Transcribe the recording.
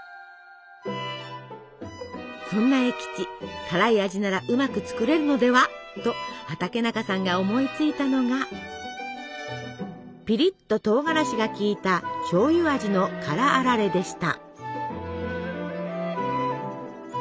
そんな栄吉辛い味ならうまく作れるのではと畠中さんが思いついたのがピリッととうがらしが効いたしょうゆ味の「辛あられ」でした。